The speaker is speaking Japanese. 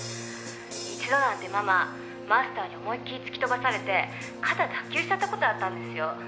「一度なんてマママスターに思い切り突き飛ばされて肩脱臼しちゃった事あったんですよ」